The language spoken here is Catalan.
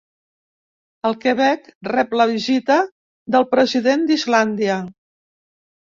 El Quebec rep la visita del president d'Islàndia